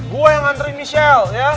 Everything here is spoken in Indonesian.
gue yang nganterin michelle ya